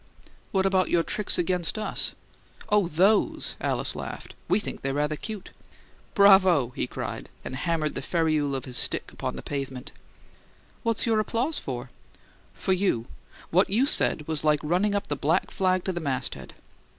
"What about your tricks against us?" "Oh, those!" Alice laughed. "We think they're rather cute!" "Bravo!" he cried, and hammered the ferrule of his stick upon the pavement. "What's the applause for?" "For you. What you said was like running up the black flag to the masthead."